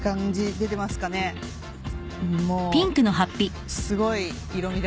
もう。